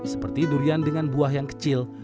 seperti durian dengan buah yang kecil